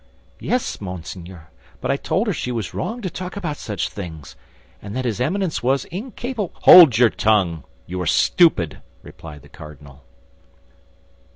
"Yes, monseigneur, but I told her she was wrong to talk about such things; and that his Eminence was incapable—" "Hold your tongue! You are stupid," replied the cardinal.